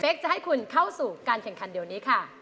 จะให้คุณเข้าสู่การแข่งขันเดี๋ยวนี้ค่ะ